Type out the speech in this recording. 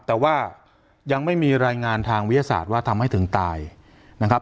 แต่ว่ายังไม่มีรายงานทางวิทยาศาสตร์ว่าทำให้ถึงตายนะครับ